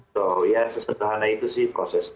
toh ya sesederhana itu sih proses